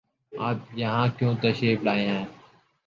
آپ یہاں کیوں تشریف لائے ہیں؟